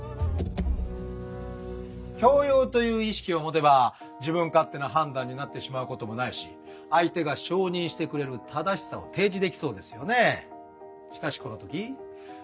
教養という意識を持てば自分勝手な判断になってしまうこともないし相手が承認してくれる「正しさ」を提示できそうですよね！